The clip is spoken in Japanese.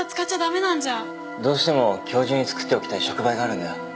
どうしても今日中に作っておきたい触媒があるんだよ。